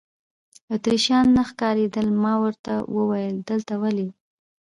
اتریشیان نه ښکارېدل، ما ورته وویل: دلته ولې.